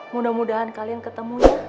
mudah mudahan kalian ketemunya